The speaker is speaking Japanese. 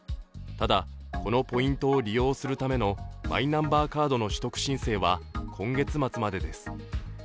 ただ、このポイントを利用するためのマイナンバーカードの取得申請は今月までです。